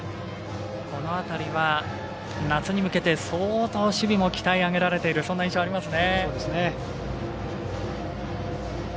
その辺りは夏に向けて、相当守備も鍛え上げられているそんな印象ありますね。